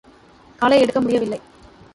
காலை எடுக்க முடியவில்லை.